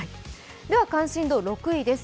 関心度６位です。